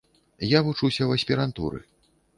Я вучуся ў аспірантуры.